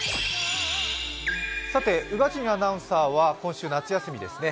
宇賀神アナウンサーは今週夏休みですね。